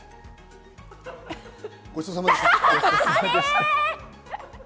ごちそうさまでした。